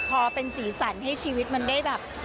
พอเป็นสีสันให้ชีวิตมันได้แบบ